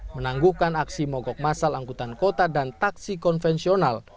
menangguhkan aksi mogok massal anggotaan kota dan taksi konvensional